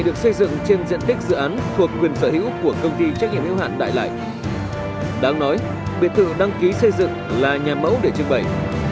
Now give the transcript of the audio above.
đáng nói biệt thự đăng ký xây dựng là nhà mẫu để trưng bày